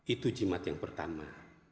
itu cimat yang pertama